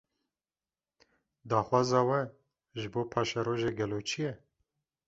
Daxwaza we, ji bo paşerojê gelo çi ye?